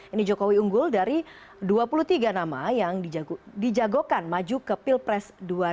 ini jokowi unggul dari dua puluh tiga nama yang dijagokan maju ke pilpres dua ribu sembilan belas